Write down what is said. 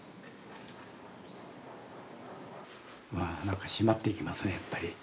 なんか締まっていきますねやっぱり。